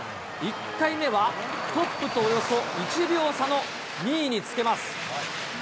１回目はトップとおよそ１秒差の２位につけます。